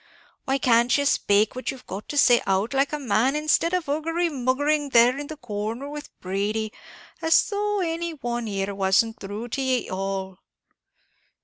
Why can't ye spake what ye've got to say out like a man, instead of huggery muggering there in the corner with Brady, as though any one here wasn't thrue to ye all."